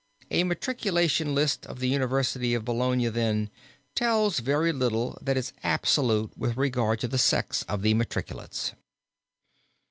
A matriculation list of the University of Bologna then, tells very little that is absolute with regard to the sex of the matriculates.